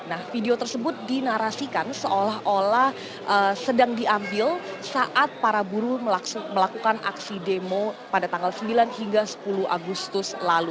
nah video tersebut dinarasikan seolah olah sedang diambil saat para buruh melakukan aksi demo pada tanggal sembilan hingga sepuluh agustus lalu